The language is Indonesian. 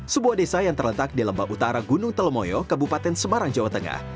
sebuah desa yang terletak di lembah utara gunung telemoyo kabupaten semarang jawa tengah